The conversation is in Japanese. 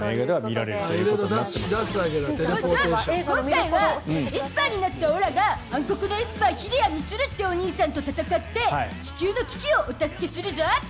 今回はエスパーになったオラが暗黒のエスパー非理谷充というお兄さんと戦って地球の危機をお助けするゾ。